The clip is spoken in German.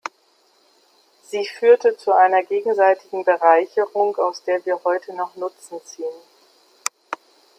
Sie führte zu einer gegenseitigen Bereicherung, aus der wir heute noch Nutzen ziehen.